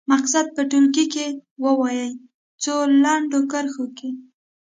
مقصد په ټولګي کې ووايي څو لنډو کرښو کې.